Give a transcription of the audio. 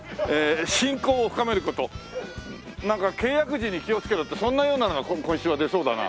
信仰を深めること」なんか契約時に気をつけろってそんなようなのが今週は出そうだな。